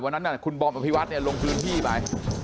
วันนั้นคุณบอมอภิวัตเนี่ยลงพื้นที่ไป